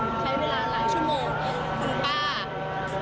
ตอนนี้เป็นครั้งหนึ่งครั้งหนึ่ง